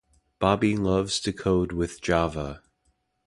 Bobby loves to code with java.